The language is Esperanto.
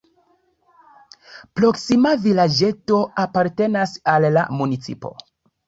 Proksima vilaĝeto apartenas al la municipo.